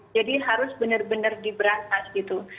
jadi harus benar benar di beratas gitu